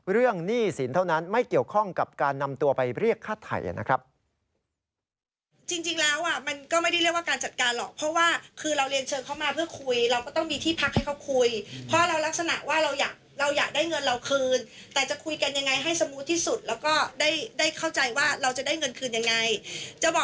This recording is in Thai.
หนี้สินเท่านั้นไม่เกี่ยวข้องกับการนำตัวไปเรียกฆ่าไทยนะครับ